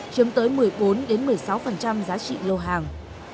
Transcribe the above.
chiếm tới một mươi bốn một mươi sáu giá trị lô hàng